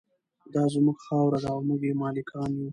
دا زموږ خاوره ده او موږ یې مالکان یو.